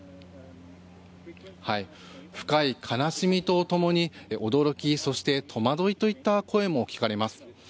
深い悲しみと共に驚き、そして戸惑いといった声も聞かれます。